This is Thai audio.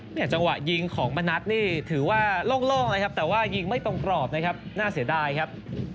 จังหวะยิงของมณัฐนี่ถือว่าโล่งนะครับแต่ว่ายิงไม่ตรงกรอบนะครับน่าเสียดายครับ